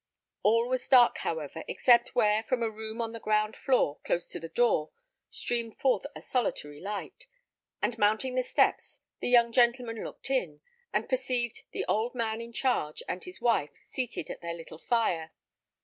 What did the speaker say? All was dark, however, except where, from a room on the ground floor, close to the door, streamed forth a solitary light; and mounting the steps, the young gentleman looked in, and perceived the old man in charge and his wife seated at their little fire.